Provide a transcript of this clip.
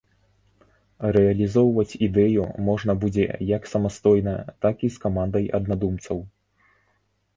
Рэалізоўваць ідэю можна будзе як самастойна, так і з камандай аднадумцаў.